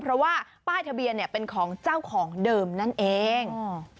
เพราะว่าป้ายทะเบียนเป็นของเจ้าของเดิมนั่นเอง